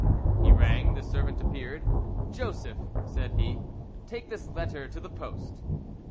He rang, the servant appeared. "Joseph," said he, "take this letter to the post."